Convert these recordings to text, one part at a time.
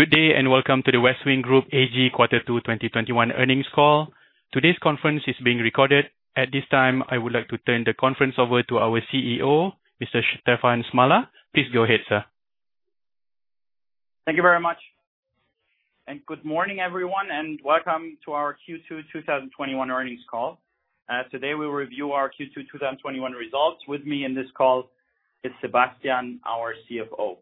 Good day, and welcome to the Westwing Group AG Quarter Two 2021 earnings call. Today's conference is being recorded. At this time, I would like to turn the conference over to our CEO, Mr. Stefan Smalla. Please go ahead, sir. Thank you very much. Good morning, everyone, and welcome to our Q2 2021 earnings call. Today, we'll review our Q2 2021 results. With me in this call is Sebastian, our CFO.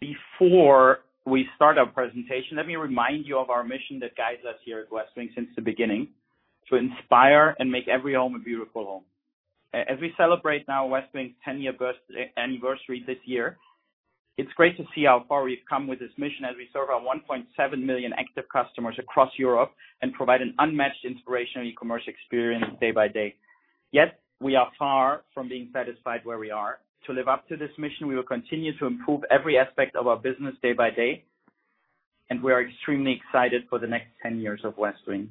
Before we start our presentation, let me remind you of our mission that guides us here at Westwing since the beginning: to inspire and make every home a beautiful home. As we celebrate now Westwing's 10-year anniversary this year, it's great to see how far we've come with this mission as we serve our 1.7 million active customers across Europe and provide an unmatched inspirational e-commerce experience day by day. Yet, we are far from being satisfied where we are. To live up to this mission, we will continue to improve every aspect of our business day by day, and we are extremely excited for the next 10 years of Westwing.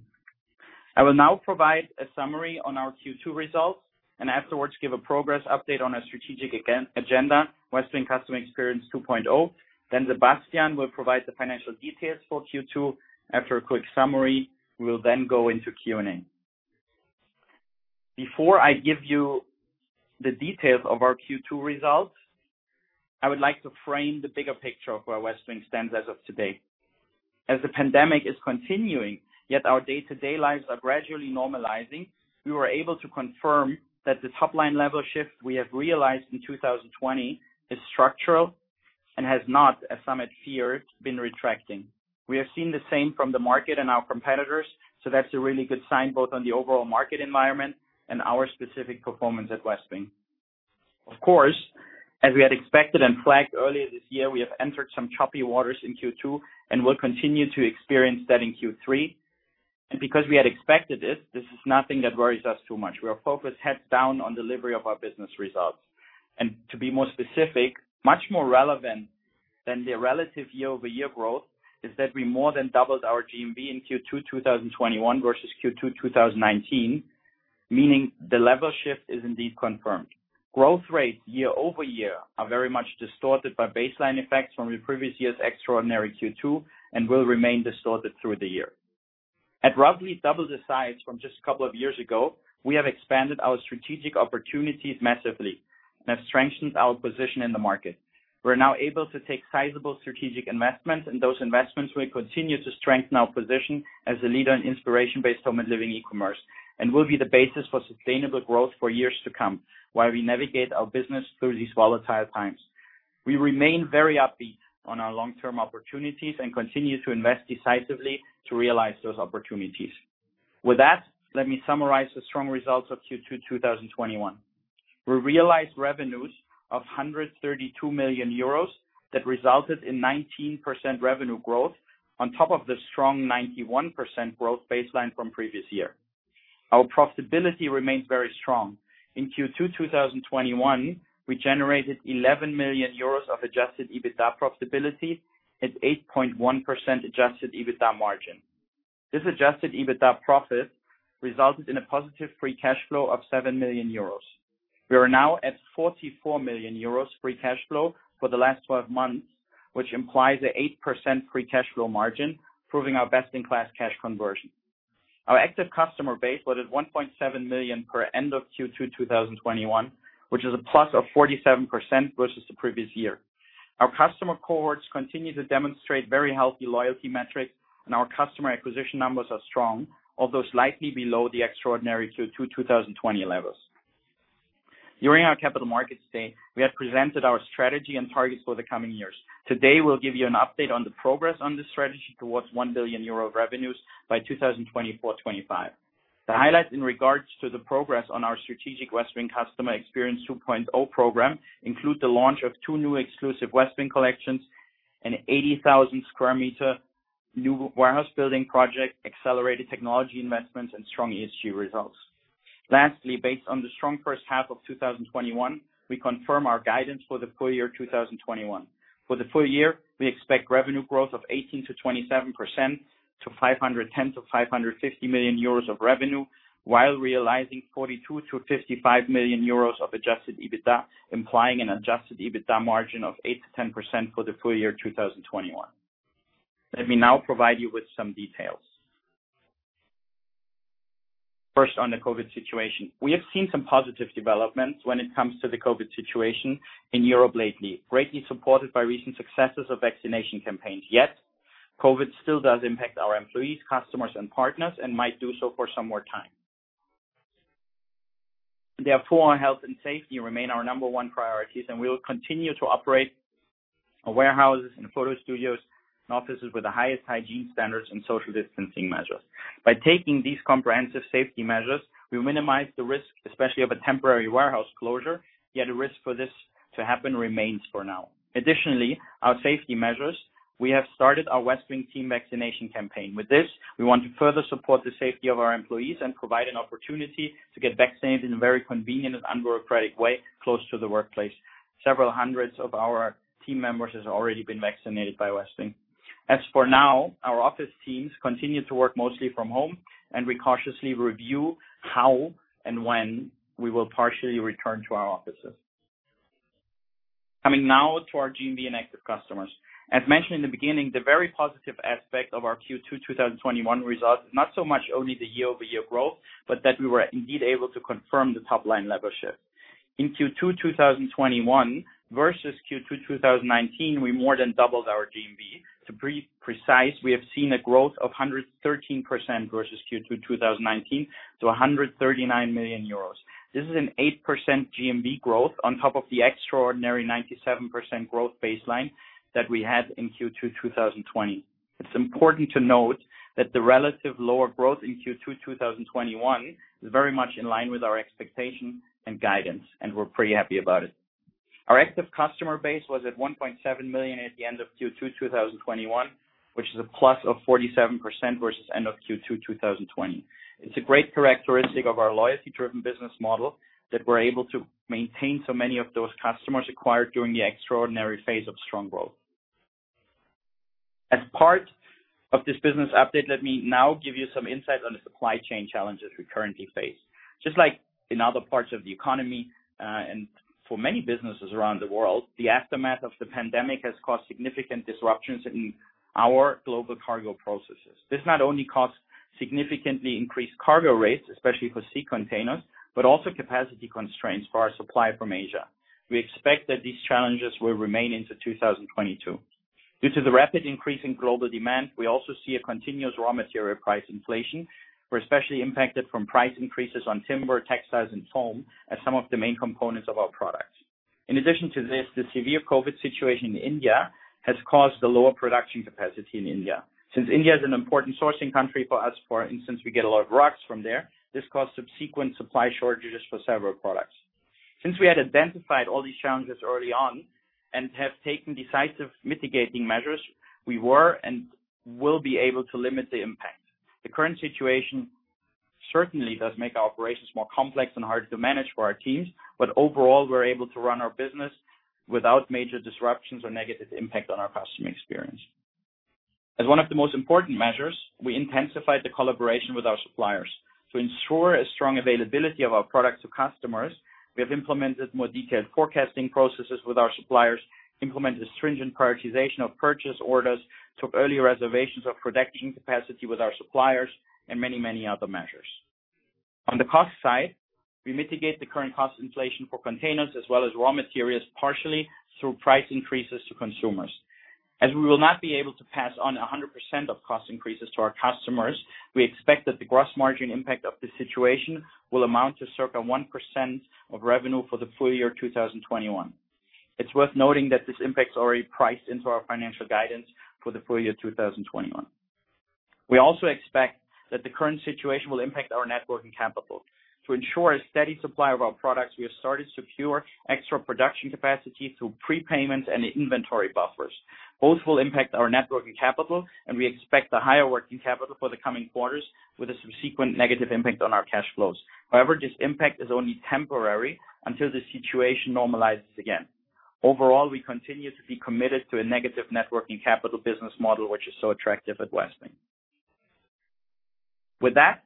I will now provide a summary on our Q2 results, and afterwards give a progress update on our strategic agenda, Westwing Customer Experience 2.0, then Sebastian will provide the financial details for Q2. After a quick summary, we will then go into Q&A. Before I give you the details of our Q2 results, I would like to frame the bigger picture of where Westwing stands as of today. As the pandemic is continuing, yet our day-to-day lives are gradually normalizing, we were able to confirm that the top-line level shift we have realized in 2020 is structural and has not, as some had feared, been retracting. We have seen the same from the market and our competitors. That's a really good sign both on the overall market environment and our specific performance at Westwing. Of course, as we had expected and flagged earlier this year, we have entered some choppy waters in Q2, and will continue to experience that in Q3. Because we had expected this is nothing that worries us too much. We are focused heads down on delivery of our business results. To be more specific, much more relevant than the relative year-over-year growth is that we more than doubled our GMV in Q2 2021 versus Q2 2019, meaning the level shift is indeed confirmed. Growth rates year-over-year are very much distorted by baseline effects from the previous year's extraordinary Q2 and will remain distorted through the year. At roughly double the size from just a couple of years ago, we have expanded our strategic opportunities massively and have strengthened our position in the market. We are now able to take sizable strategic investments, and those investments will continue to strengthen our position as a leader in inspiration-based home and living e-commerce and will be the basis for sustainable growth for years to come while we navigate our business through these volatile times. We remain very upbeat on our long-term opportunities and continue to invest decisively to realize those opportunities. Let me summarize the strong results of Q2 2021. We realized revenues of 132 million euros that resulted in 19% revenue growth on top of the strong 91% growth baseline from previous year. Our profitability remains very strong. In Q2 2021, we generated 11 million euros of adjusted EBITDA profitability at 8.1% adjusted EBITDA margin. This adjusted EBITDA profit resulted in a positive free cash flow of 7 million euros. We are now at 44 million euros free cash flow for the last 12 months, which implies an 8% free cash flow margin, proving our best-in-class cash conversion. Our active customer base was at 1.7 million per end of Q2 2021, which is a plus of 47% versus the previous year. Our customer cohorts continue to demonstrate very healthy loyalty metrics, and our customer acquisition numbers are strong, although slightly below the extraordinary Q2 2020 levels. During our Capital Markets Day, we have presented our strategy and targets for the coming years. Today, we'll give you an update on the progress on this strategy towards 1 billion euro of revenues by 2024-2025. The highlights in regards to the progress on our strategic Westwing Customer Experience 2.0 program include the launch of two new exclusive Westwing collections, an 80,000 sq m new warehouse building project, accelerated technology investments, and strong ESG results. Lastly, based on the strong first half of 2021, we confirm our guidance for the full year 2021. For the full year, we expect revenue growth of 18%-27% to 510 million-550 million euros of revenue while realizing 42 million-55 million euros of adjusted EBITDA, implying an adjusted EBITDA margin of 8%-10% for the full year 2021. Let me now provide you with some details. First, on the COVID situation. We have seen some positive developments when it comes to the COVID situation in Europe lately, greatly supported by recent successes of vaccination campaigns. COVID still does impact our employees, customers, and partners, and might do so for some more time. Our health and safety remain our number one priorities, and we will continue to operate our warehouses and photo studios and offices with the highest hygiene standards and social distancing measures. By taking these comprehensive safety measures, we minimize the risk, especially of a temporary warehouse closure, yet a risk for this to happen remains for now. Our safety measures, we have started our Westwing Team Vaccination Campaign. With this, we want to further support the safety of our employees and provide an opportunity to get vaccinated in a very convenient and unbureaucratic way close to the workplace. Several hundreds of our team members has already been vaccinated by Westwing. As for now, our office teams continue to work mostly from home, and we cautiously review how and when we will partially return to our offices. Coming now to our GMV and active customers. As mentioned in the beginning, the very positive aspect of our Q2 2021 results, not so much only the year-over-year growth, but that we were indeed able to confirm the top-line lever shift. In Q2 2021 versus Q2 2019, we more than doubled our GMV. To be precise, we have seen a growth of 113% versus Q2 2019 to 139 million euros. This is an 8% GMV growth on top of the extraordinary 97% growth baseline that we had in Q2 2020. It's important to note that the relative lower growth in Q2 2021 is very much in line with our expectation and guidance, and we're pretty happy about it. Our active customer base was at 1.7 million at the end of Q2 2021, which is a plus of 47% versus end of Q2 2020. It's a great characteristic of our loyalty-driven business model that we're able to maintain so many of those customers acquired during the extraordinary phase of strong growth. As part of this business update, let me now give you some insight on the supply chain challenges we currently face. Just like in other parts of the economy, and for many businesses around the world, the aftermath of the pandemic has caused significant disruptions in our global cargo processes. This not only caused significantly increased cargo rates, especially for sea containers, but also capacity constraints for our supply from Asia. We expect that these challenges will remain into 2022. Due to the rapid increase in global demand, we also see a continuous raw material price inflation. We are especially impacted from price increases on timber, textiles, and foam as some of the main components of our products. In addition to this, the severe COVID situation in India has caused a lower production capacity in India. Since India is an important sourcing country for us, for instance, we get a lot of rugs from there, this caused subsequent supply shortages for several products. Since we had identified all these challenges early on and have taken decisive mitigating measures, we were and will be able to limit the impact. The current situation certainly does make our operations more complex and harder to manage for our teams, but overall, we're able to run our business without major disruptions or negative impact on our customer experience. As one of the most important measures, we intensified the collaboration with our suppliers. To ensure a strong availability of our products to customers, we have implemented more detailed forecasting processes with our suppliers, implemented stringent prioritization of purchase orders, took early reservations of production capacity with our suppliers, and many other measures. On the cost side, we mitigate the current cost inflation for containers as well as raw materials, partially through price increases to consumers. As we will not be able to pass on 100% of cost increases to our customers, we expect that the gross margin impact of this situation will amount to circa 1% of revenue for the full year 2021. It's worth noting that this impact is already priced into our financial guidance for the full year 2021. We also expect that the current situation will impact our net working capital. To ensure a steady supply of our products, we have started to secure extra production capacity through prepayments and inventory buffers. Both will impact our net working capital, and we expect a higher working capital for the coming quarters with a subsequent negative impact on our cash flows. This impact is only temporary until the situation normalizes again. Overall, we continue to be committed to a negative net working capital business model, which is so attractive at Westwing. With that,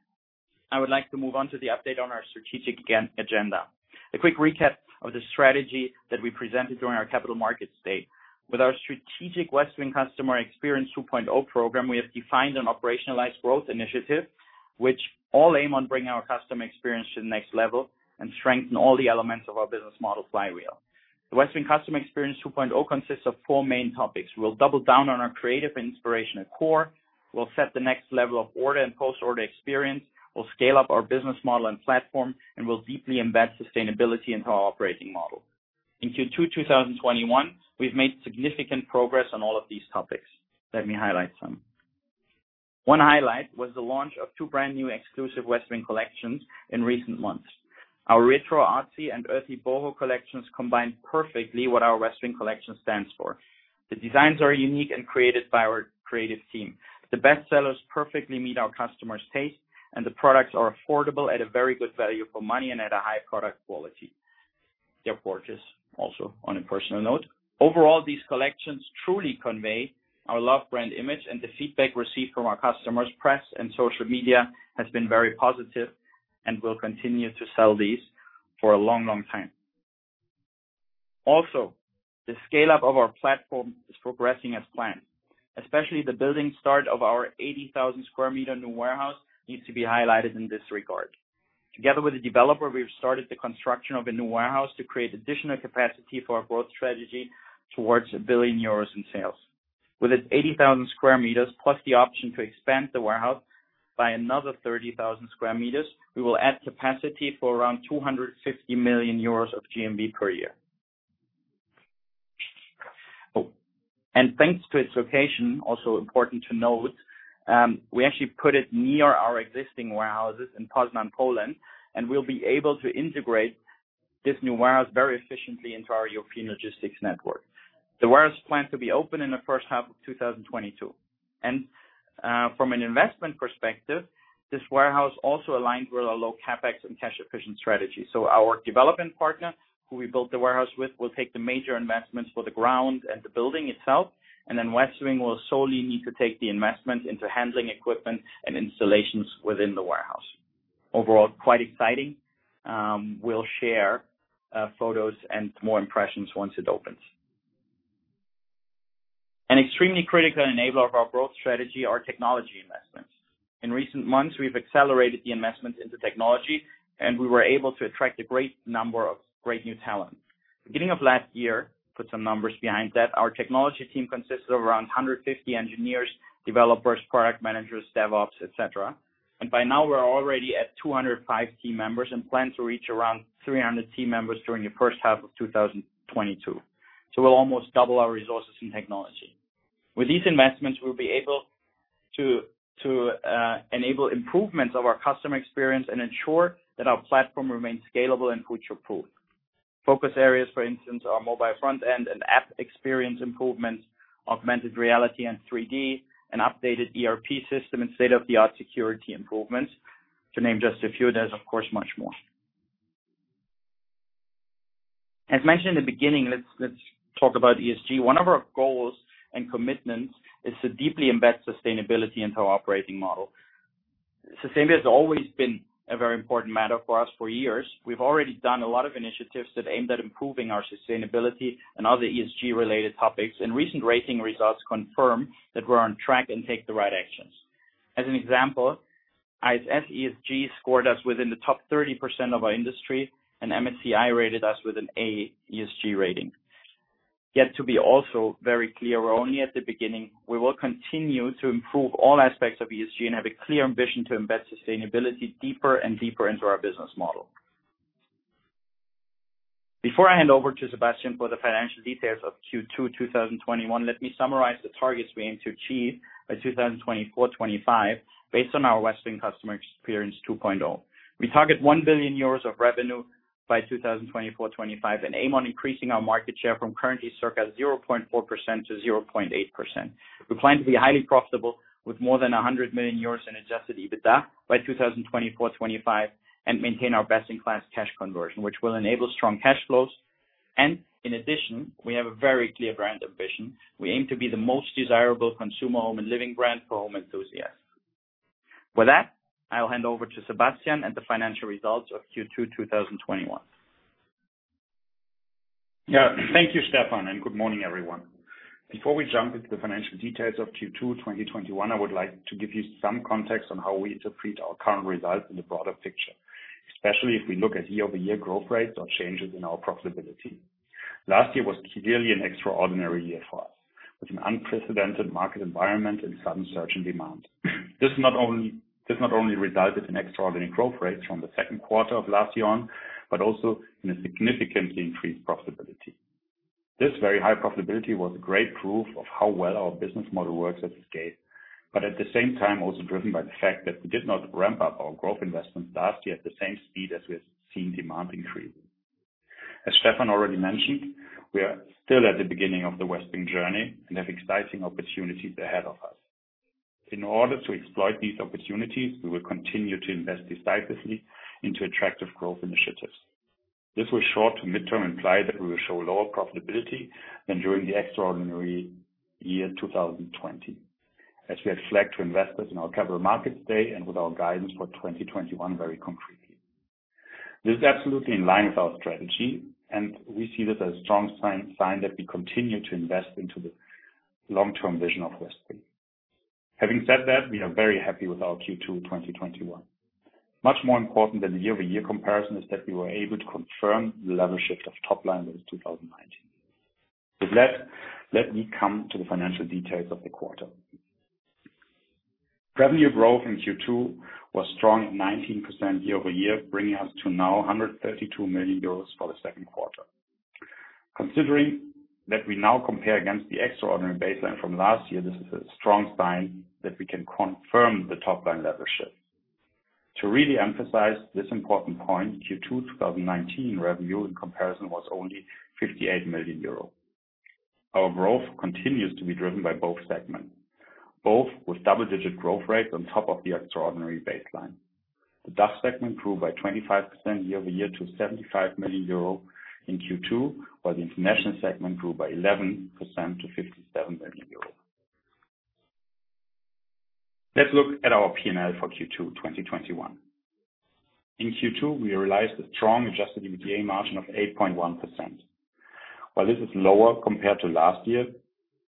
I would like to move on to the update on our strategic agenda. A quick recap of the strategy that we presented during our Capital Markets Day. With our strategic Westwing Customer Experience 2.0 program, we have defined an operationalized growth initiative which all aim on bringing our customer experience to the next level and strengthen all the elements of our business model flywheel. The Westwing Customer Experience 2.0 consists of four main topics. We'll double down on our creative and inspirational core. We'll set the next level of order and post-order experience. We'll scale up our business model and platform, and we'll deeply embed sustainability into our operating model. In Q2 2021, we've made significant progress on all of these topics. Let me highlight some. One highlight was the launch of two brand new exclusive Westwing collections in recent months. Our Retro Artsy and Earthy boho collections combine perfectly what our Westwing Collection stands for. The designs are unique and created by our creative team. The best sellers perfectly meet our customers' taste, the products are affordable at a very good value for money and at a high product quality. They're gorgeous also, on a personal note. Overall, these collections truly convey our love brand image, the feedback received from our customers, press, and social media has been very positive and will continue to sell these for a long time. Also, the scale-up of our platform is progressing as planned, especially the building start of our 80,000 sq m new warehouse needs to be highlighted in this regard. Together with the developer, we've started the construction of a new warehouse to create additional capacity for our growth strategy towards 1 billion euros in sales. With its 80,000 sq m+ the option to expand the warehouse by another 30,000 sq m, we will add capacity for around 250 million euros of GMV per year. Thanks to its location, also important to note, we actually put it near our existing warehouses in Poznań, Poland, and we'll be able to integrate this new warehouse very efficiently into our European logistics network. The warehouse is planned to be open in the first half of 2022. From an investment perspective, this warehouse also aligned with our low CapEx and cash efficient strategy. Our development partner, who we built the warehouse with, will take the major investments for the ground and the building itself, and then Westwing will solely need to take the investment into handling equipment and installations within the warehouse. Overall, quite exciting. We'll share photos and more impressions once it opens. An extremely critical enabler of our growth strategy, our technology investments. In recent months, we've accelerated the investments into technology, and we were able to attract a great number of great new talent. Beginning of last year, put some numbers behind that, our technology team consisted of around 150 engineers, developers, product managers, DevOps, et cetera. By now we're already at 205 team members and plan to reach around 300 team members during the first half of 2022. We'll almost double our resources in technology. With these investments, we'll be able to enable improvements of our customer experience and ensure that our platform remains scalable and future-proof. Focus areas, for instance, are mobile front end and app experience improvements, augmented reality and 3D, an updated ERP system, and state-of-the-art security improvements, to name just a few. There's, of course, much more. As mentioned in the beginning, let's talk about ESG. One of our goals and commitments is to deeply embed sustainability into our operating model. Sustainability has always been a very important matter for us for years. We've already done a lot of initiatives that aimed at improving our sustainability and other ESG related topics, and recent rating results confirm that we're on track and take the right actions. As an example, ISS ESG scored us within the top 30% of our industry, and MSCI rated us with an A ESG rating. Yet to be also very clear, we're only at the beginning. We will continue to improve all aspects of ESG and have a clear ambition to embed sustainability deeper and deeper into our business model. Before I hand over to Sebastian for the financial details of Q2 2021, let me summarize the targets we aim to achieve by 2024, 2025 based on our Westwing Customer Experience 2.0. We target 1 billion euros of revenue by 2024, 2025 and aim on increasing our market share from currently circa 0.4%-0.8%. We plan to be highly profitable with more than 100 million euros in adjusted EBITDA by 2024, 2025 and maintain our best-in-class cash conversion, which will enable strong cash flows. In addition, we have a very clear brand ambition. We aim to be the most desirable consumer home and living brand for home enthusiasts. With that, I'll hand over to Sebastian and the financial results of Q2 2021. Yeah. Thank you, Stefan, and good morning, everyone. Before we jump into the financial details of Q2 2021, I would like to give you some context on how we interpret our current results in the broader picture, especially if we look at year-over-year growth rates or changes in our profitability. Last year was clearly an extraordinary year for us, with an unprecedented market environment and sudden surge in demand. This not only resulted in extraordinary growth rates from the second quarter of last year, but also in a significantly increased profitability. This very high profitability was a great proof of how well our business model works at this scale, but at the same time also driven by the fact that we did not ramp up our growth investments last year at the same speed as we have seen demand increase. As Stefan already mentioned, we are still at the beginning of the Westwing journey and have exciting opportunities ahead of us. In order to exploit these opportunities, we will continue to invest decisively into attractive growth initiatives. This will short to midterm imply that we will show lower profitability than during the extraordinary year 2020, as we have flagged to investors in our Capital Markets Day and with our guidance for 2021 very concretely. This is absolutely in line with our strategy, and we see this as a strong sign that we continue to invest into the long-term vision of Westwing. Having said that, we are very happy with our Q2 2021. Much more important than the year-over-year comparison is that we were able to confirm the level shift of top line with 2019. Let me come to the financial details of the quarter. Revenue growth in Q2 was strong at 19% year-over-year, bringing us to now 132 million euros for the second quarter. Considering that we now compare against the extraordinary baseline from last year, this is a strong sign that we can confirm the top line level shift. To really emphasize this important point, Q2 2019 revenue in comparison was only 58 million euro. Our growth continues to be driven by both segments, both with double-digit growth rates on top of the extraordinary baseline. The DACH segment grew by 25% year-over-year to 75 million euro in Q2, while the international segment grew by 11% to 57 million euro. Let's look at our P&L for Q2 2021. In Q2, we realized a strong adjusted EBITDA margin of 8.1%. While this is lower compared to last year,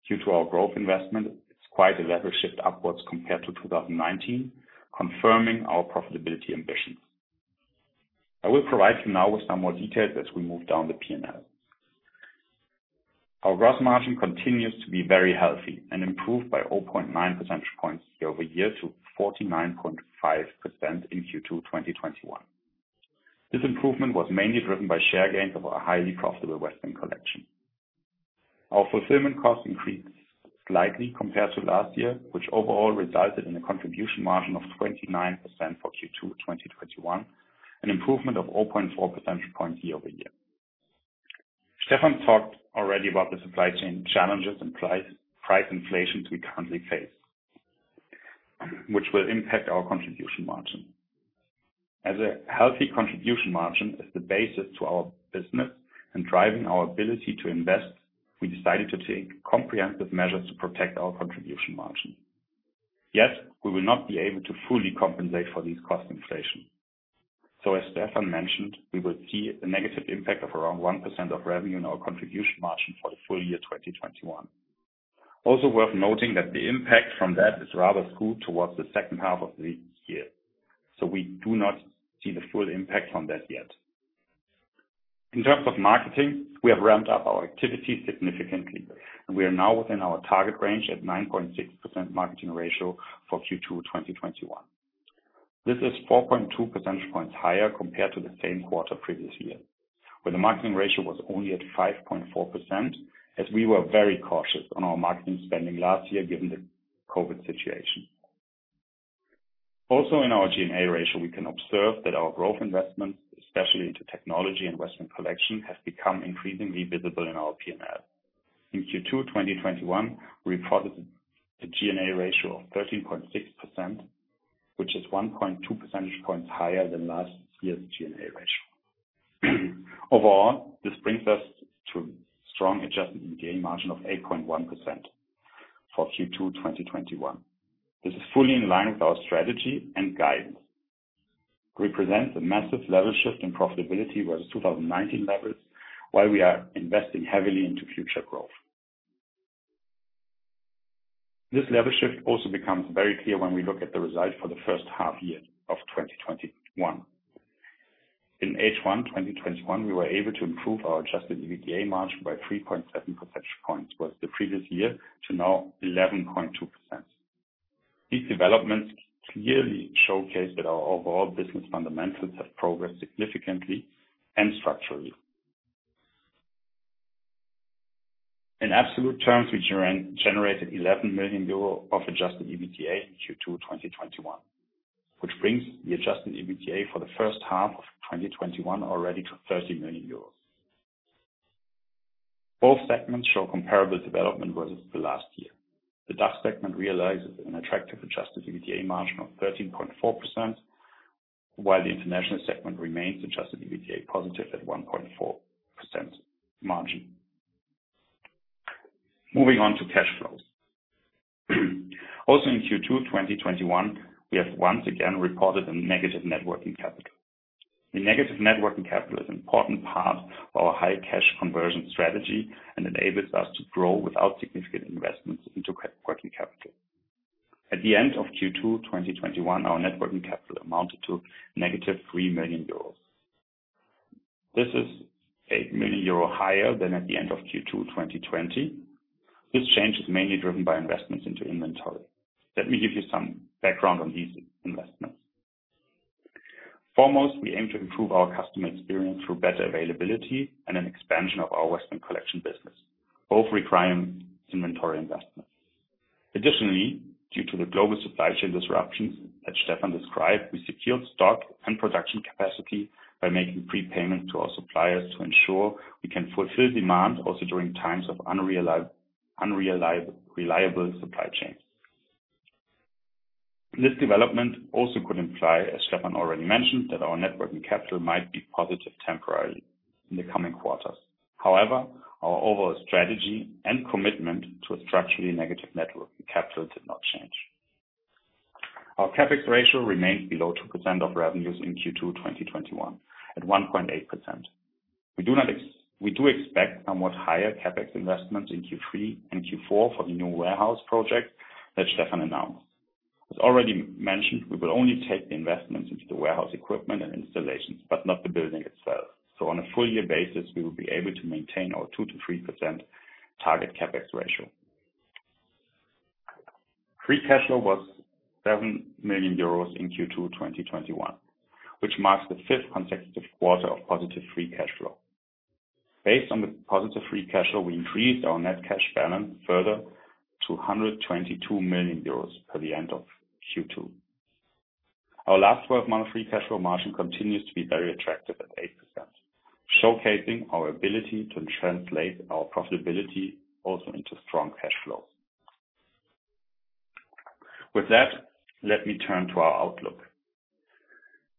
due to our growth investment, it's quite a level shift upwards compared to 2019, confirming our profitability ambitions. I will provide you now with some more details as we move down the P&L. Our gross margin continues to be very healthy and improved by 0.9 percentage points year-over-year to 49.5% in Q2 2021. This improvement was mainly driven by share gains of our highly profitable Westwing Collection. Our fulfillment cost increased slightly compared to last year, which overall resulted in a contribution margin of 29% for Q2 2021, an improvement of 0.4 percentage points year-over-year. Stefan talked already about the supply chain challenges and price inflation we currently face, which will impact our contribution margin. As a healthy contribution margin is the basis to our business and driving our ability to invest, we decided to take comprehensive measures to protect our contribution margin. Yes, we will not be able to fully compensate for this cost inflation. As Stefan mentioned, we will see a negative impact of around 1% of revenue in our contribution margin for the full year 2021. Also worth noting that the impact from that is rather skewed towards the second half of the year. We do not see the full impact on that yet. In terms of marketing, we have ramped up our activity significantly, and we are now within our target range at 9.6% marketing ratio for Q2 2021. This is 4.2 percentage points higher compared to the same quarter previous year, where the marketing ratio was only at 5.4%, as we were very cautious on our marketing spending last year given the COVID situation. Also in our G&A ratio, we can observe that our growth investments, especially into technology and Westwing Collection, have become increasingly visible in our P&L. In Q2 2021, we reported a G&A ratio of 13.6%, which is 1.2 percentage points higher than last year's G&A ratio. Overall, this brings us to strong adjusted EBITDA margin of 8.1% for Q2 2021. This is fully in line with our strategy and guidance. This represents a massive level shift in profitability versus 2019 levels, while we are investing heavily into future growth. This level shift also becomes very clear when we look at the results for the first half year of 2021. In H1 2021, we were able to improve our adjusted EBITDA margin by 3.7 percentage points versus the previous year to now 11.2%. These developments clearly showcase that our overall business fundamentals have progressed significantly and structurally. In absolute terms, we generated 11 million euro of adjusted EBITDA in Q2 2021, which brings the adjusted EBITDA for the first half of 2021 already to 30 million euros. Both segments show comparable development versus the last year. The DACH segment realizes an attractive adjusted EBITDA margin of 13.4%, while the international segment remains adjusted EBITDA positive at 1.4% margin. Moving on to cash flows. In Q2 2021, we have once again reported a negative net working capital. A negative net working capital is an important part of our high cash conversion strategy and enables us to grow without significant investments into working capital. At the end of Q2 2021, our net working capital amounted to negative 3 million euros. This is 8 million euro higher than at the end of Q2 2020. This change is mainly driven by investments into inventory. Let me give you some background on these investments. Foremost, we aim to improve our customer experience through better availability and an expansion of our Westwing Collection business, both requiring inventory investment. Additionally, due to the global supply chain disruptions that Stefan described, we secured stock and production capacity by making prepayment to our suppliers to ensure we can fulfill demand also during times of unreliable supply chains. This development also could imply, as Stefan already mentioned, that our net working capital might be positive temporarily in the coming quarters. However, our overall strategy and commitment to a structurally negative net working capital did not change. Our CapEx ratio remains below 2% of revenues in Q2 2021, at 1.8%. We do expect somewhat higher CapEx investments in Q3 and Q4 for the new warehouse project that Stefan announced. As already mentioned, we will only take the investments into the warehouse equipment and installations, but not the building itself. On a full year basis, we will be able to maintain our 2%-3% target CapEx ratio. Free cash flow was 7 million euros in Q2 2021, which marks the fifth consecutive quarter of positive free cash flow. Based on the positive free cash flow, we increased our net cash balance further to 122 million euros per the end of Q2. Our last 12-month free cash flow margin continues to be very attractive at 8%, showcasing our ability to translate our profitability also into strong cash flow. With that, let me turn to our outlook.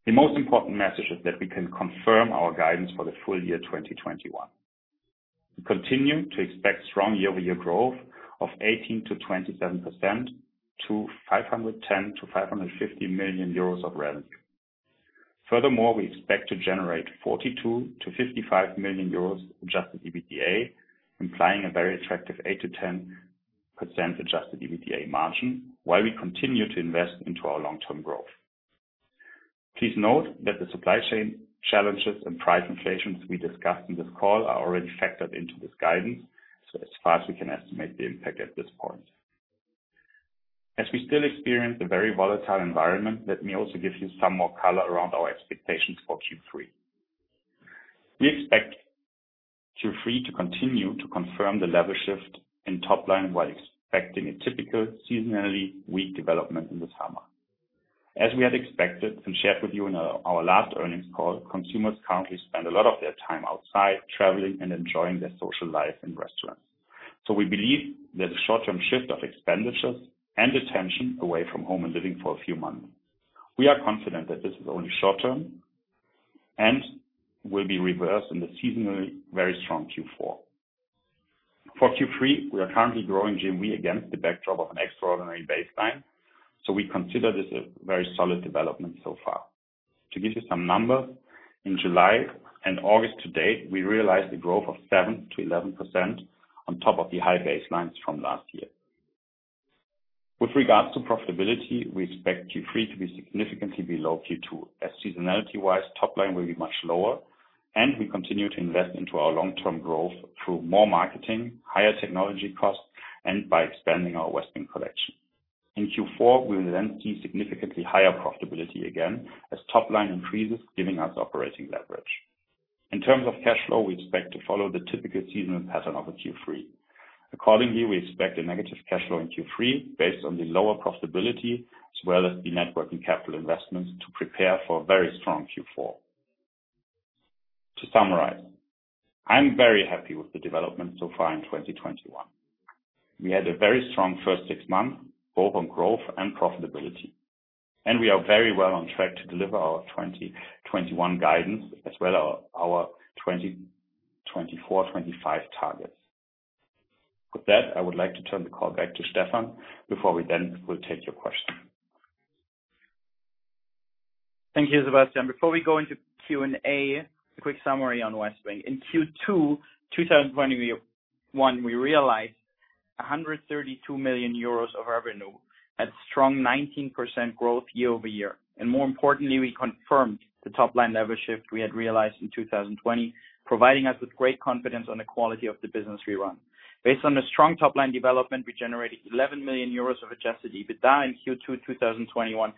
The most important message is that we can confirm our guidance for the full year 2021. We continue to expect strong year-over-year growth of 18%-27% to 510 million-550 million euros of revenue. Furthermore, we expect to generate 42 million-55 million euros adjusted EBITDA, implying a very attractive 8%-10% adjusted EBITDA margin, while we continue to invest into our long-term growth. Please note that the supply chain challenges and price inflations we discussed in this call are already factored into this guidance, so as far as we can estimate the impact at this point. As we still experience a very volatile environment, let me also give you some more color around our expectations for Q3. We expect Q3 to continue to confirm the level shift in top line while expecting a typical seasonally weak development in the summer. As we had expected and shared with you in our last earnings call, consumers currently spend a lot of their time outside, traveling and enjoying their social life in restaurants. We believe there's a short-term shift of expenditures and attention away from home and living for a few months. We are confident that this is only short-term and will be reversed in the seasonally very strong Q4. For Q3, we are currently growing GMV against the backdrop of an extraordinary baseline, we consider this a very solid development so far. To give you some numbers, in July and August to date, we realized a growth of 7%-11% on top of the high baselines from last year. With regards to profitability, we expect Q3 to be significantly below Q2, as seasonality-wise, top line will be much lower and we continue to invest into our long-term growth through more marketing, higher technology costs, and by expanding our Westwing Collection. In Q4, we will then see significantly higher profitability again as top line increases, giving us operating leverage. In terms of cash flow, we expect to follow the typical seasonal pattern of a Q3. Accordingly, we expect a negative cash flow in Q3 based on the lower profitability, as well as the net working capital investments to prepare for a very strong Q4. To summarize, I'm very happy with the development so far in 2021. We had a very strong first six months, both on growth and profitability, and we are very well on track to deliver our 2021 guidance as well our 2024, 2025 targets. With that, I would like to turn the call back to Stefan before we then will take your questions. Thank you, Sebastian. Before we go into Q&A, a quick summary on Westwing. In Q2 2021, we realized 132 million euros of revenue at strong 19% growth year-over-year. More importantly, we confirmed the top-line level shift we had realized in 2020, providing us with great confidence on the quality of the business we run. Based on the strong top-line development, we generated 11 million euros of adjusted EBITDA in Q2 2021,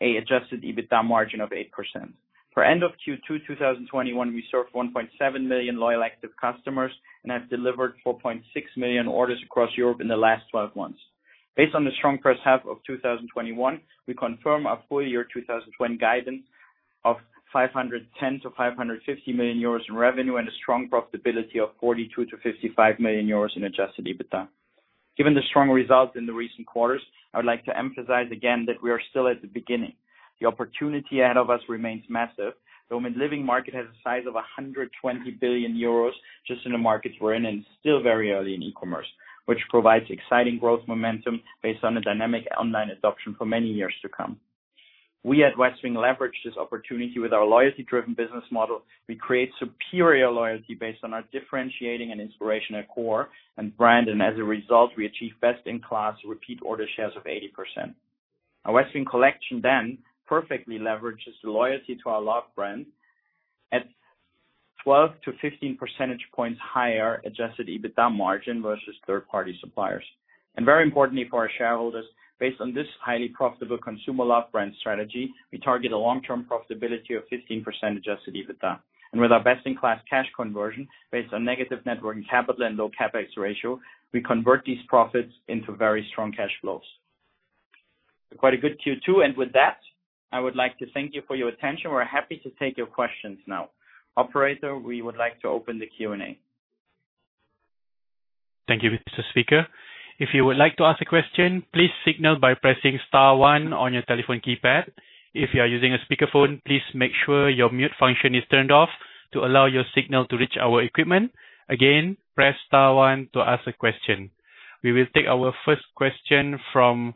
a adjusted EBITDA margin of 8%. For end of Q2 2021, we served 1.7 million loyal active customers and have delivered 4.6 million orders across Europe in the last 12 months. Based on the strong first half of 2021, we confirm our full year 2020 guidance of 510 million-550 million euros in revenue and a strong profitability of 42 million-55 million euros in adjusted EBITDA. Given the strong results in the recent quarters, I would like to emphasize again that we are still at the beginning. The opportunity ahead of us remains massive. The home and living market has a size of 120 billion euros just in the markets we're in and still very early in e-commerce, which provides exciting growth momentum based on the dynamic online adoption for many years to come. We at Westwing leverage this opportunity with our loyalty-driven business model. We create superior loyalty based on our differentiating and inspirational core and brand. As a result, we achieve best-in-class repeat order shares of 80%. Our Westwing Collection then perfectly leverages the loyalty to our loved brand at 12-15 percentage points higher adjusted EBITDA margin versus third-party suppliers. Very importantly for our shareholders, based on this highly profitable consumer love brand strategy, we target a long-term profitability of 15% adjusted EBITDA. With our best-in-class cash conversion based on negative net working capital and low CapEx ratio, we convert these profits into very strong cash flows. Quite a good Q2, and with that, I would like to thank you for your attention. We're happy to take your questions now. Operator, we would like to open the Q&A. Thank you, Mr. Speaker. If you would like to ask a question, please signal by pressing star one on your telephone keypad. If you are using a speakerphone, please make sure your mute function is turned off to allow your signal to reach our equipment. Again, press star one to ask a question. We will take our first question from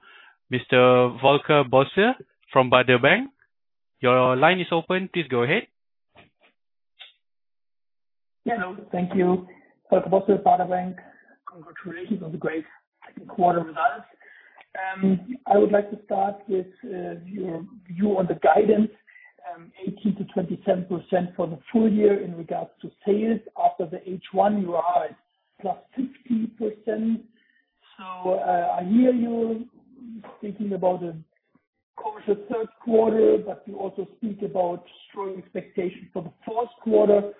Mr. Volker Bosse from Baader Bank. Your line is open. Please go ahead. Hello. Thank you. Volker Bosse, Baader Bank. Congratulations on the great second quarter results. I would like to start with your view on the guidance, 18%-27% for the full year in regards to sales. After the H1, you are +15%. I hear you thinking about a cautious third quarter, but you also speak about strong expectations for the fourth quarter.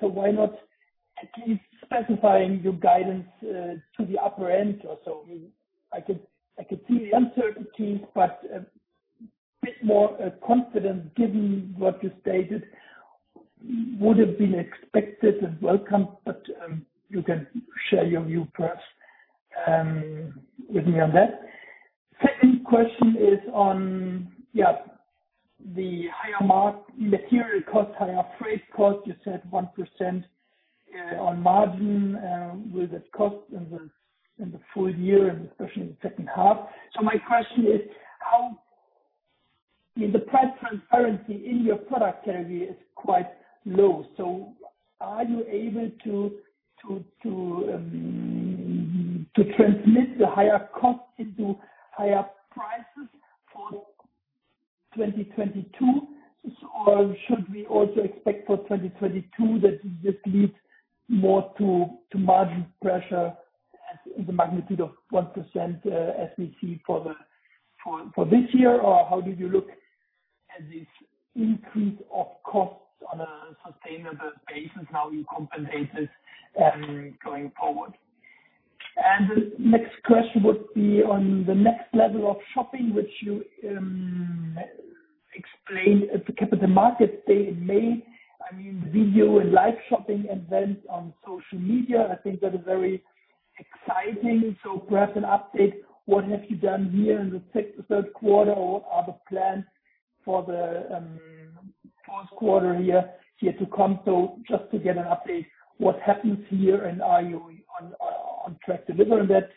Why not at least specifying your guidance to the upper end or so? I could see the uncertainties, but a bit more confidence given what you stated would have been expected and welcome, but you can share your view first with me on that. Second question is on the higher material costs, higher freight costs, you said 1% on margin with the cost in the full year and especially in the second half. My question is, the price transparency in your product category is quite low. Are you able to transmit the higher cost into higher prices for 2022? Should we also expect for 2022 that this leads more to margin pressure as the magnitude of 1% as we see for this year? How did you look as this increase of costs on a sustainable basis now compensated going forward? The next question would be on the next level of shopping, which you explained at the Capital Markets Day in May. Video and live shopping events on social media, I think that is very exciting. Perhaps an update, what have you done here in the third quarter, or are the plans for the fourth quarter here to come? Just to get an update, what happens here and are you on track delivering that?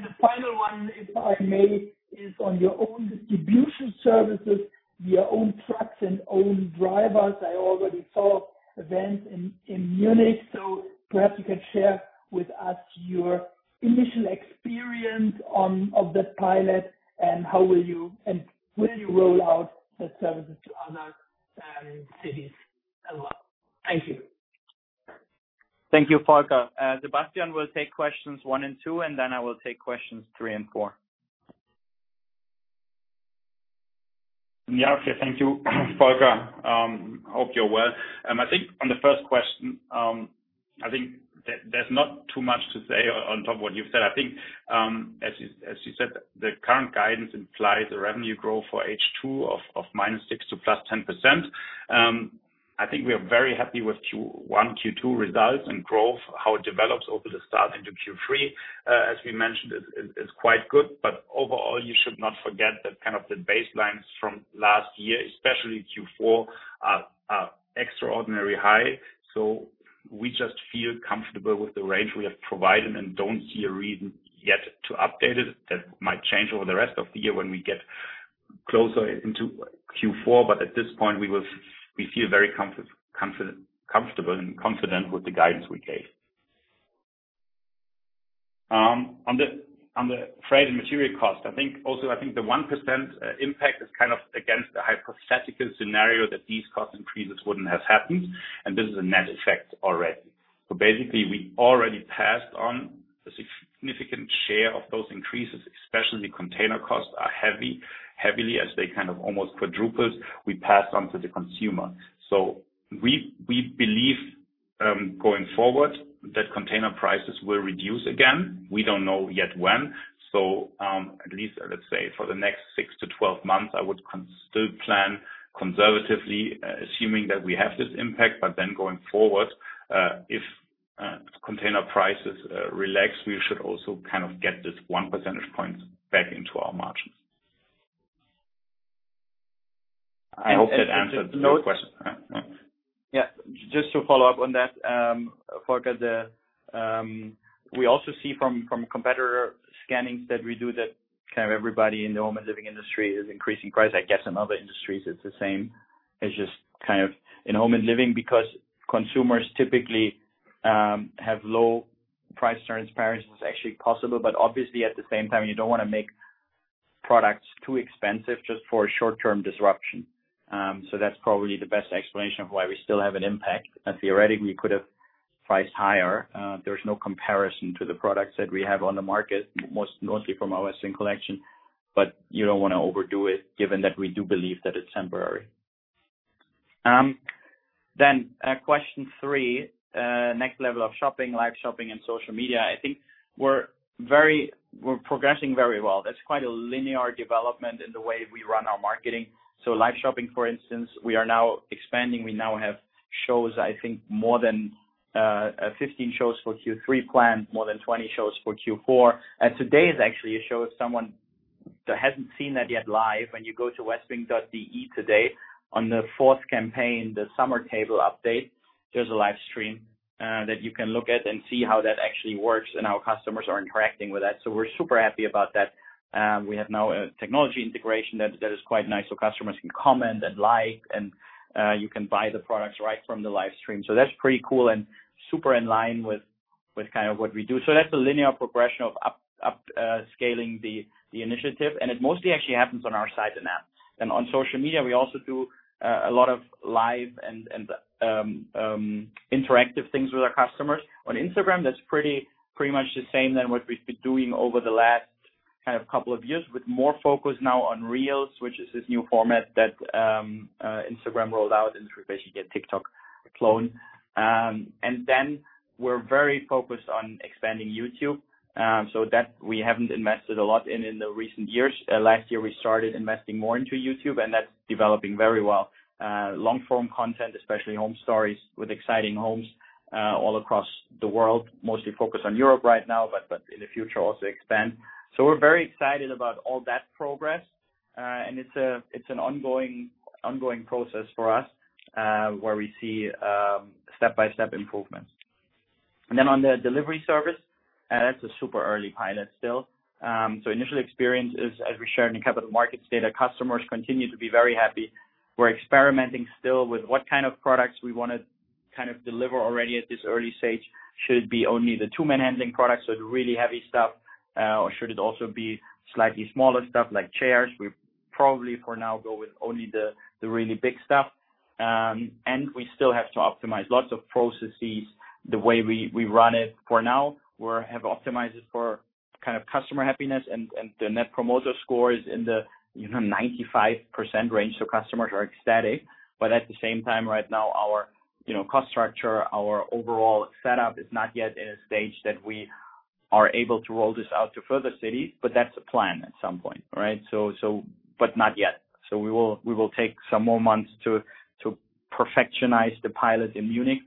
The final one, if I may, is on your own distribution services, your own trucks and own drivers. I already saw events in Munich. Perhaps you can share with us your initial experience of that pilot and will you roll out the services to other cities as well? Thank you. Thank you, Volker. Sebastian will take questions one and two, and then I will take questions three and four. Okay. Thank you, Volker. Hope you're well. On the first question, I think there's not too much to say on top of what you've said. As you said, the current guidance implies a revenue growth for H2 of -6% to +10%. We are very happy with Q1, Q2 results and growth, how it develops over the start into Q3, as we mentioned, is quite good. Overall, you should not forget that kind of the baselines from last year, especially Q4, are extraordinary high. We just feel comfortable with the range we have provided and don't see a reason yet to update it. That might change over the rest of the year when we get closer into Q4, but at this point, we feel very comfortable and confident with the guidance we gave. On the freight and material cost, I think also the 1% impact is kind of against the hypothetical scenario that these cost increases wouldn't have happened, and this is a net effect already. Basically, we already passed on a significant share of those increases, especially container costs are heavily as they kind of almost quadrupled, we passed on to the consumer. We believe, going forward, that container prices will reduce again. We don't know yet when. At least, let's say for the next six to 12 months, I would still plan conservatively, assuming that we have this impact. Going forward, if container prices relax, we should also kind of get this 1 percentage point back into our margins. I hope that answered the question. Yeah. Just to follow up on that, Volker, we also see from competitor scannings that we do that kind of everybody in the home and living industry is increasing price. I guess in other industries it's the same. It's just kind of in home and living because consumers typically have low price transparency is actually possible, but obviously at the same time you don't want to make products too expensive just for a short-term disruption. That's probably the best explanation of why we still have an impact. Theoretically, we could have priced higher. There's no comparison to the products that we have on the market, mostly from our Westwing Collection, but you don't want to overdo it given that we do believe that it's temporary. Question three, next level of shopping, live shopping and social media. I think we're progressing very well. That's quite a linear development in the way we run our marketing. Live shopping, for instance, we are now expanding. We now have shows, I think more than 15 shows for Q3 planned, more than 20 shows for Q4. Today is actually a show if someone that hasn't seen that yet live, when you go to westwing.de today on the fourth campaign, the summer table update, there's a live stream that you can look at and see how that actually works and our customers are interacting with that. We're super happy about that. We have now a technology integration that is quite nice so customers can comment and like and you can buy the products right from the live stream. That's pretty cool and super in line with kind of what we do. That's a linear progression of upscaling the initiative, and it mostly actually happens on our site and app. On social media, we also do a lot of live and interactive things with our customers. On Instagram, that's pretty much the same than what we've been doing over the last kind of couple of years with more focus now on Reels, which is this new format that Instagram rolled out and basically a TikTok clone. We're very focused on expanding YouTube. That we haven't invested a lot in the recent years. Last year, we started investing more into YouTube, and that's developing very well. Long form content, especially home stories with exciting homes, all across the world, mostly focused on Europe right now, but in the future also expand. We're very excited about all that progress. It's an ongoing process for us, where we see step-by-step improvements. On the delivery service, that's a super early pilot still. Initial experience is, as we shared in the capital markets data, customers continue to be very happy. We're experimenting still with what kind of products we want to kind of deliver already at this early stage. Should it be only the two-man handling products, so the really heavy stuff? Should it also be slightly smaller stuff like chairs? We probably for now go with only the really big stuff. We still have to optimize lots of processes the way we run it. For now, we have optimized it for customer happiness and the Net Promoter Score is in the 95% range, customers are ecstatic. At the same time, right now, our cost structure, our overall setup is not yet in a stage that we are able to roll this out to further cities, but that's the plan at some point, right? Not yet. We will take some more months to perfectionize the pilot in Munich.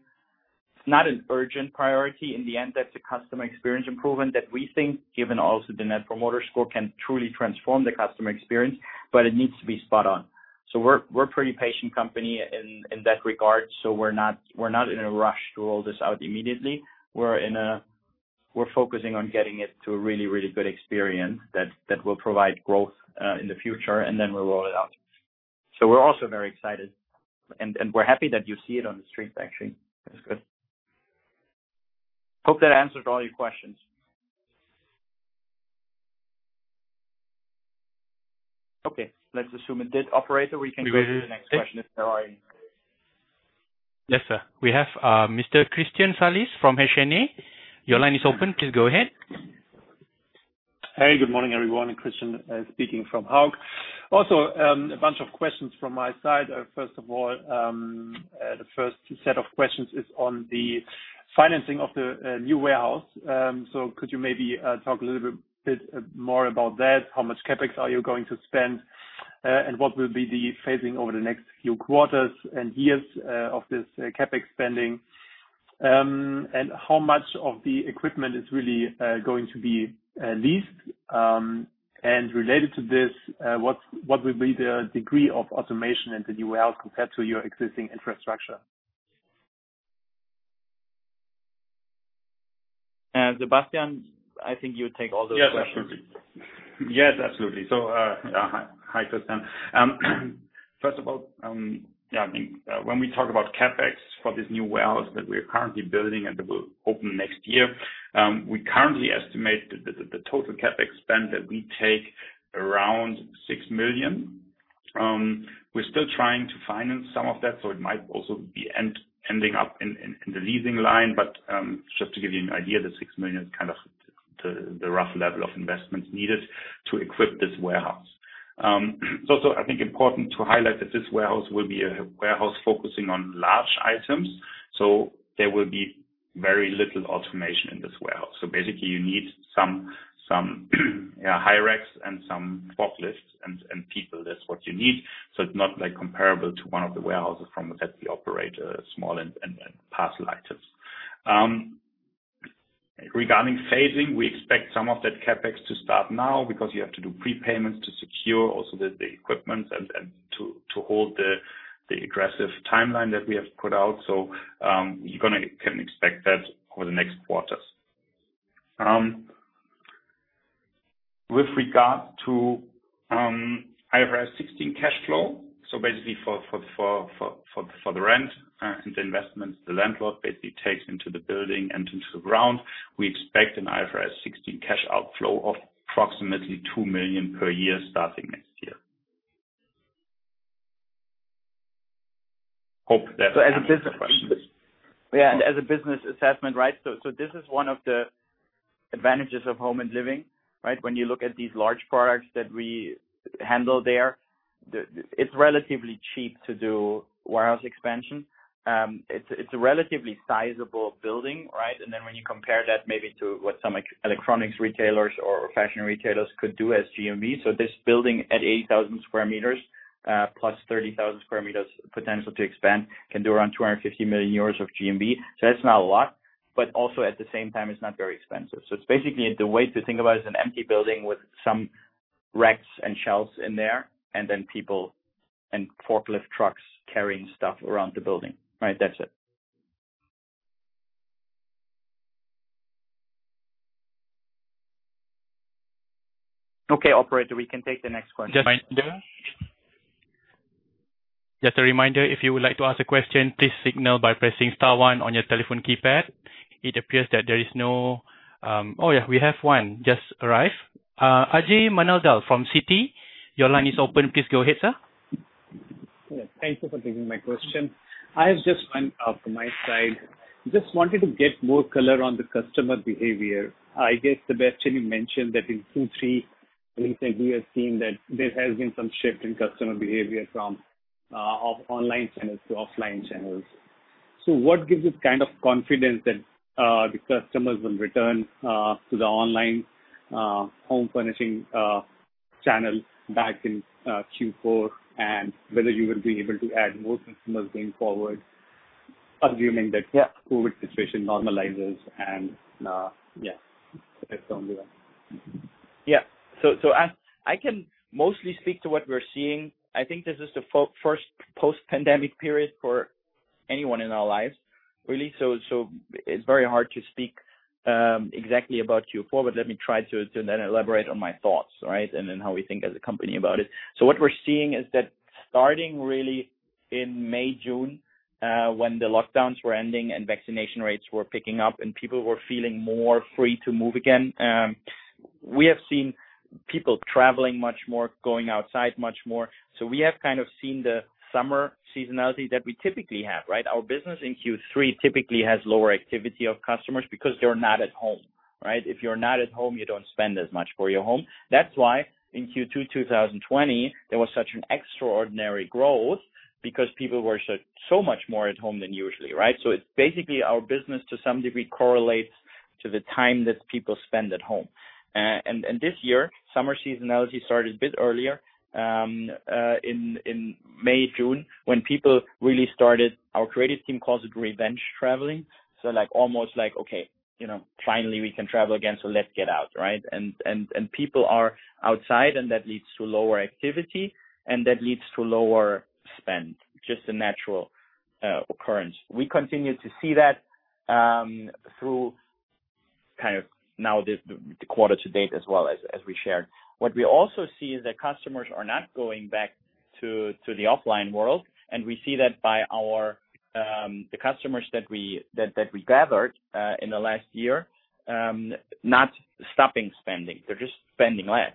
It's not an urgent priority. In the end, that's a customer experience improvement that we think, given also the Net Promoter Score, can truly transform the customer experience, but it needs to be spot on. We're a pretty patient company in that regard, so we're not in a rush to roll this out immediately. We're focusing on getting it to a really, really good experience that will provide growth in the future, and then we'll roll it out. We're also very excited and we're happy that you see it on the streets, actually. That's good. Hope that answered all your questions. Okay, let's assume it did. Operator, we can go to the next question if there are any. Yes, sir. We have Mr. Christian Salis from H&A. Your line is open. Please go ahead. Hey, good morning, everyone. Christian speaking from Hauck. A bunch of questions from my side. First of all, the first set of questions is on the financing of the new warehouse. Could you maybe talk a little bit more about that? How much CapEx are you going to spend? What will be the phasing over the next few quarters and years of this CapEx spending? How much of the equipment is really going to be leased? Related to this, what will be the degree of automation in the new warehouse compared to your existing infrastructure? Sebastian, I think you'll take all those questions. Yes, absolutely. Hi, Christian. First of all, I think when we talk about CapEx for this new warehouse that we're currently building, and that will open next year, we currently estimate the total CapEx spend that we take around 6 million. We're still trying to finance some of that, so it might also be ending up in the leasing line. Just to give you an idea, the 6 million is kind of the rough level of investments needed to equip this warehouse. It's also, I think, important to highlight that this warehouse will be a warehouse focusing on large items. There will be very little automation in this warehouse. Basically you need some high racks and some forklifts and people. That's what you need. It's not comparable to one of the warehouses from which that we operate small and parcel items. Regarding phasing, we expect some of that CapEx to start now because you have to do prepayments to secure also the equipment and to hold the aggressive timeline that we have put out. You can expect that over the next quarters. With regard to IFRS 16 cash flow, so basically for the rent and the investments the landlord basically takes into the building and into the ground, we expect an IFRS 16 cash outflow of approximately 2 million per year starting next year. Hope that answers the questions. As a business assessment. This is one of the advantages of home and living. When you look at these large products that we handle there, it's relatively cheap to do warehouse expansion. It's a relatively sizable building. When you compare that maybe to what some electronics retailers or fashion retailers could do as GMV. This building at 80,000 sq m, +30,000 sq m potential to expand, can do around 250 million euros of GMV. That's not a lot, but also at the same time, it's not very expensive. It's basically, the way to think about it, is an empty building with some racks and shelves in there, and then people and forklift trucks carrying stuff around the building. That's it. Okay, operator, we can take the next question. Just a reminder, if you would like to ask a question, please signal by pressing star one on your telephone keypad. It appears that there is, oh yeah, we have one just arrived. Ajay Nandal from Citi. Your line is open. Please go ahead, sir. Yeah. Thank you for taking my question. I have just one from my side. Just wanted to get more color on the customer behavior. I guess, Sebastian, you mentioned that in Q3 at least that you are seeing that there has been some shift in customer behavior from online channels to offline channels. What gives you kind of confidence that the customers will return to the online home furnishing channel back in Q4, and whether you will be able to add more customers going forward, assuming that Yeah COVID situation normalizes, yeah, it's going be well. Yeah. I can mostly speak to what we're seeing. I think this is the first post-pandemic period for anyone in our lives, really. It's very hard to speak exactly about Q4, but let me try to elaborate on my thoughts, right, and how we think as a company about it. What we're seeing is that starting really in May, June, when the lockdowns were ending and vaccination rates were picking up and people were feeling more free to move again. We have seen people traveling much more, going outside much more. We have seen the summer seasonality that we typically have, right? Our business in Q3 typically has lower activity of customers because they're not at home. If you're not at home, you don't spend as much for your home. That's why in Q2 2020, there was such an extraordinary growth because people were so much more at home than usually, right? It's basically our business, to some degree, correlates to the time that people spend at home. This year, summer seasonality started a bit earlier, in May, June, when people really started, our creative team calls it revenge traveling. Almost like, "Okay, finally we can travel again, so let's get out." People are outside, and that leads to lower activity, and that leads to lower spend. Just a natural occurrence. We continue to see that through the quarter to date as well as we shared. What we also see is that customers are not going back to the offline world, and we see that by the customers that we gathered in the last year, not stopping spending. They're just spending less,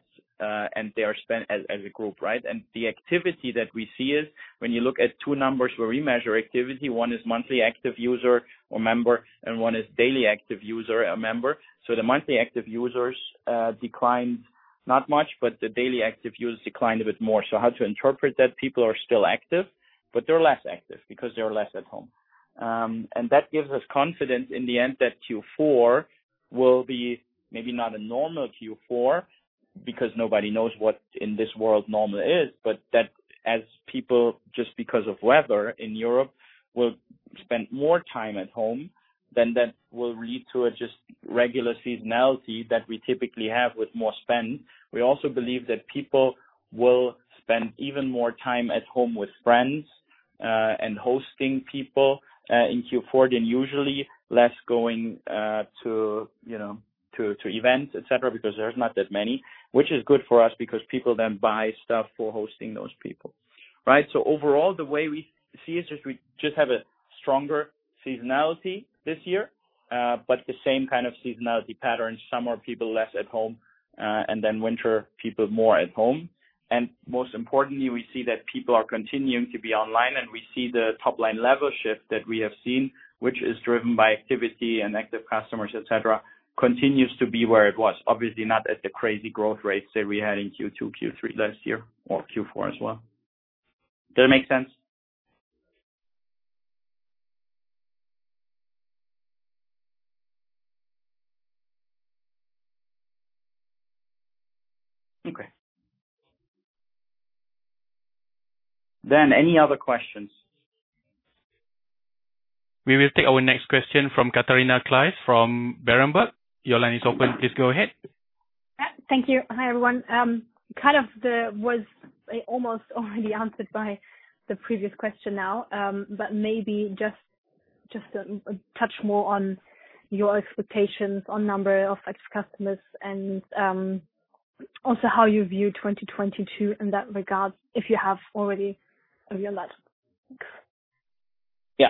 and they are spend as a group, right? The activity that we see is when you look at two numbers where we measure activity, one is monthly active user or member, and one is daily active user or member. The monthly active users declined not much, but the daily active users declined a bit more. How to interpret that? People are still active, but they're less active because they're less at home. That gives us confidence in the end that Q4 will be maybe not a normal Q4 because nobody knows what in this world normal is, but that as people, just because of weather in Europe, will spend more time at home, then that will lead to a just regular seasonality that we typically have with more spend. We also believe that people will spend even more time at home with friends, and hosting people, in Q4 than usually, less going to events, et cetera, because there is not that many, which is good for us because people then buy stuff for hosting those people. Overall, the way we see it is we just have a stronger seasonality this year, but the same kind of seasonality pattern. Summer, people less at home, winter, people more at home. Most importantly, we see that people are continuing to be online, and we see the top-line level shift that we have seen, which is driven by activity and active customers, et cetera, continues to be where it was. Obviously not at the crazy growth rates that we had in Q2, Q3 last year or Q4 as well. Does it make sense? Okay. Any other questions? We will take our next question from Catharina Claes from Berenberg. Your line is open. Please go ahead. Yeah. Thank you. Hi, everyone. Kind of was almost already answered by the previous question now, but maybe just touch more on your expectations on number of such customers and also how you view 2022 in that regard, if you have already viewed that. Yeah.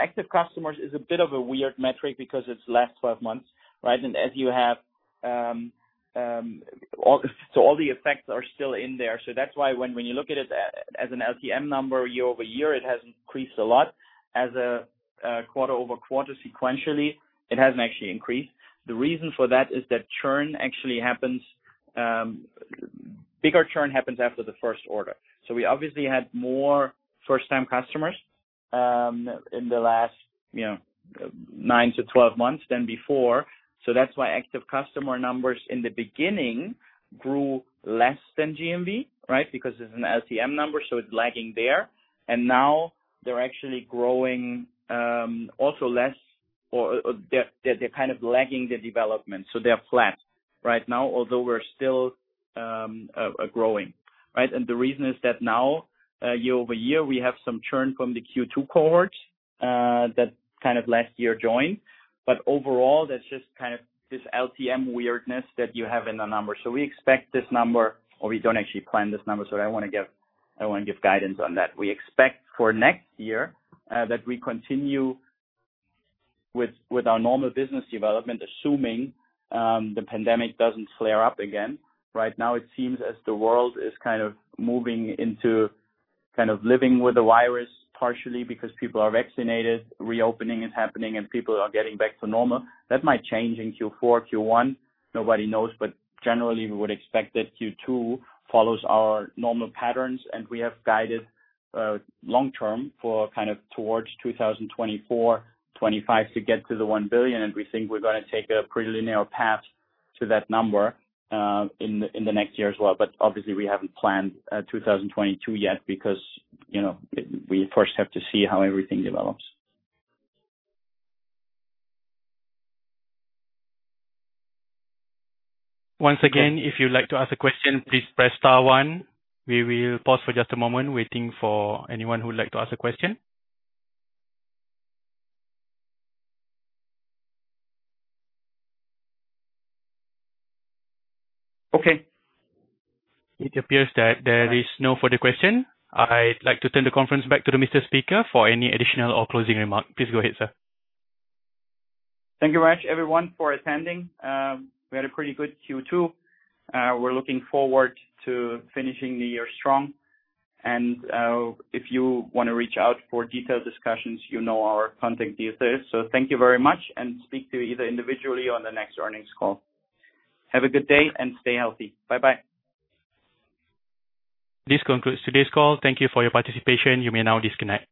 Active customers is a bit of a weird metric because it's last 12 months, right? All the effects are still in there. That's why when you look at it as an LTM number year-over-year, it has increased a lot. As a quarter-over-quarter sequentially, it hasn't actually increased. The reason for that is that bigger churn happens after the first order. We obviously had more first-time customers in the last nine to 12 months than before. That's why active customer numbers in the beginning grew less than GMV because it's an LTM number, so it's lagging there. Now they're actually growing, also less, or they're kind of lagging the development. They're flat right now, although we're still growing. The reason is that now, year-over-year, we have some churn from the Q2 cohorts, that kind of last year joined. Overall, that's just this LTM weirdness that you have in the numbers. We expect this number, or we don't actually plan this number, so I don't want to give guidance on that. We expect for next year, that we continue with our normal business development, assuming the pandemic doesn't flare up again. Right now, it seems as the world is kind of moving into kind of living with the virus partially because people are vaccinated, reopening is happening, and people are getting back to normal. That might change in Q4, Q1. Nobody knows, but generally, we would expect that Q2 follows our normal patterns, and we have guided long-term for kind of towards 2024, 2025 to get to 1 billion. We think we're going to take a pretty linear path to that number in the next year as well. Obviously we haven't planned 2022 yet because we first have to see how everything develops. Once again, if you'd like to ask a question, please press star one. We will pause for just a moment, waiting for anyone who would like to ask a question. Okay. It appears that there is no further question. I'd like to turn the conference back to the Mr. Speaker for any additional or closing remark. Please go ahead, sir. Thank you very much, everyone, for attending. We had a pretty good Q2. We're looking forward to finishing the year strong. If you want to reach out for detailed discussions, you know our contact details there. Thank you very much, and speak to you either individually or on the next earnings call. Have a good day, and stay healthy. Bye-bye. This concludes today's call. Thank you for your participation. You may now disconnect.